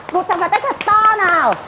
một tràng pháo tay thật to nào